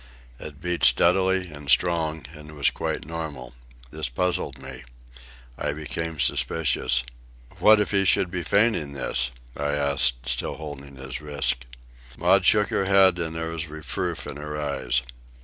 It beat steadily and strong, and was quite normal. This puzzled me. I became suspicious. "What if he should be feigning this?" I asked, still holding his wrist. Maud shook her head, and there was reproof in her eyes.